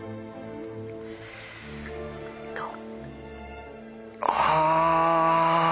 どう？